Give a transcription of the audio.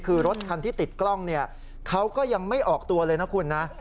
คือรถคันที่ติดกล้องเนี่ยเขาก็ยังไม่ออกตัวเลยนะคุณนะ